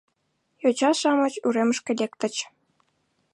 Йоча-шамыч уремышке лектыч.